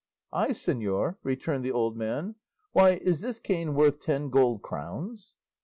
"I, señor!" returned the old man; "why, is this cane worth ten gold crowns?"